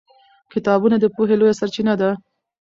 کتابونه د پوهې لویه سرچینه ده